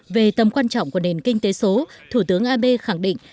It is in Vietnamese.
về tầm quan trọng của nền kinh tế số thủ tướng abe khẳng định